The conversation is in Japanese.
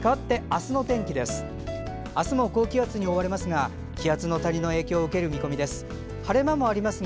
明日も高気圧に覆われますが気圧の谷の影響を受ける見込みです。